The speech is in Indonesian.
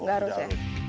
nggak harus ya